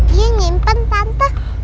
iya nyimpen tante